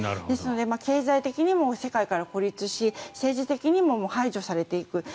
ですので経済的にも世界から孤立し政治的にも排除されていく。